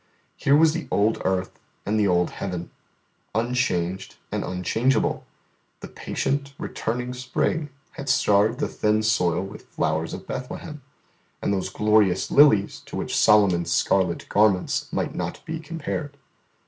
Here was the old earth and the old heaven, unchanged and unchangeable; the patient, returning spring had starred the thin soil with flowers of Bethlehem, and those glorious lilies to which Solomon's scarlet garments might not be compared.